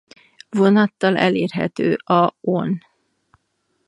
Vonattal elérhető a on.